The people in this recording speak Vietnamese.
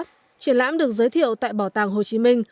triển lãm được giới thiệu tại bảo tàng hồ chí minh